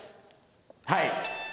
はい。